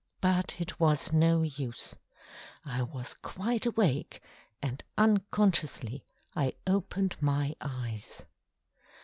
But it was no use. I was quite awake, and unconsciously I opened my eyes.